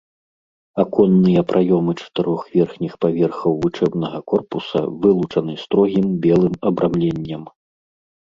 Аконныя праёмы чатырох верхніх паверхаў вучэбнага корпуса вылучаны строгім белым абрамленнем.